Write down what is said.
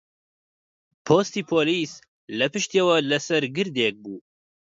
پۆستی پۆلیس لە پشتیەوە لەسەر گردێک بوو